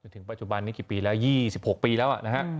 ถึงปัจจุบันนี้กี่ปีแล้ว๒๖ปีแล้วนะฮะ